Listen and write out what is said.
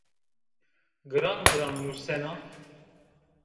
Giran-giran musena